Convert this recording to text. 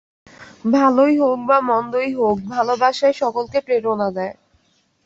ভালই হউক বা মন্দই হউক, ভালবাসাই সকলকে প্রেরণা দেয়।